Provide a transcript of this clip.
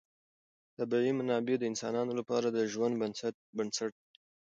طبیعي منابع د انسانانو لپاره د ژوند بنسټ دی.